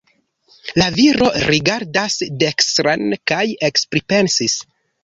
La viro rigardas dekstren kaj ekpripensas.